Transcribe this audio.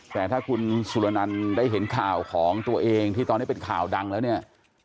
แต่ถ้าคุณสุรนันต์ได้เห็นข่าวของตัวเองที่ตอนนี้เป็นข่าวดังแล้วเนี่ย